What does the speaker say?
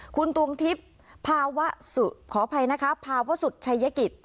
คุณตวงทิพย์ภาวะสุขออภัยนะคะภาวะสุดชัยกิจ